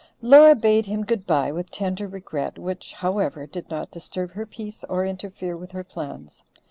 Laura bade him good bye with tender regret, which, however, did not disturb her peace or interfere with her plans.